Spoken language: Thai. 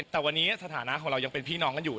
แต่วันนี้สถานะของเรายังเป็นพี่น้องกันอยู่